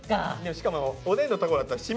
しかもおでんのタコだったらデカい。